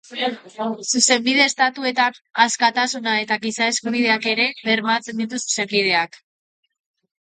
Zuzenbide-estatuetan, askatasuna eta giza eskubideak ere bermatzen ditu zuzenbideak.